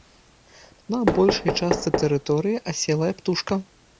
На большай частцы тэрыторыі аселая птушка.